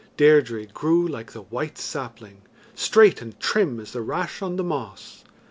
Deirdre grew like the white sapling, straight and trim as the rash on the moss.